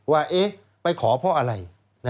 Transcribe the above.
ว่าไปขอเพราะอะไร